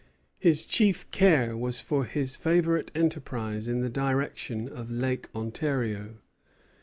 His chief care was for his favorite enterprise in the direction of Lake Ontario.